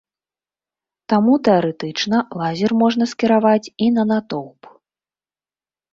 Таму тэарэтычна лазер можна скіраваць і на натоўп.